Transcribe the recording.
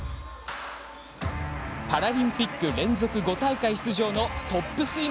パラリンピック連続５大会出場のトップスイマーです。